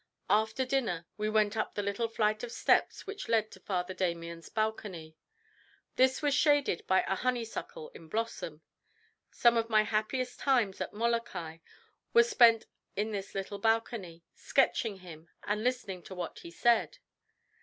After dinner we went up the little flight of steps which led to Father Damien's balcony. This was shaded by a honeysuckle in blossom. Some of my happiest times at Molokai were spent in this little balcony, sketching him and listening to what he said.